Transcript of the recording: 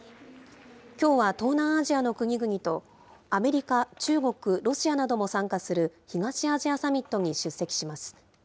きょうは東南アジアの国々と、アメリカ、中国、ロシアなども参加する東アジアサミットに出席します。